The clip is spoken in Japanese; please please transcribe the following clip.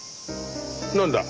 なんだ？